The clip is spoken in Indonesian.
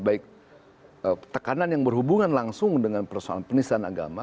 baik tekanan yang berhubungan langsung dengan persoalan penistaan agama